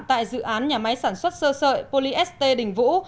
tại dự án nhà máy sản xuất sơ sợi polyest đình vũ